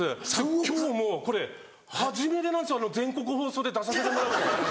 今日もうこれ初めてなんです全国放送で出させてもらうの。